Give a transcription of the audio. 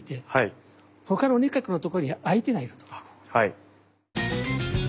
はい。